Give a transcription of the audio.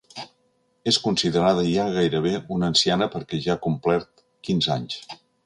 Es considera ja gairebé una anciana perquè ja ha complert quinze anys.